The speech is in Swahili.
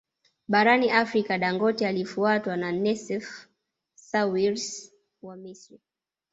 Barani Afrika Dangote alifuatwa na Nassef Sawiris wa Misri